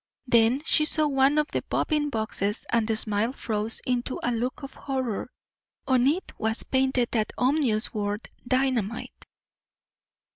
Then she saw one of the bobbing boxes and the smile froze into a look of horror. On it was painted that ominous word DYNAMITE!